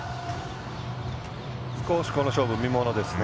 少しこの勝負、見ものですね。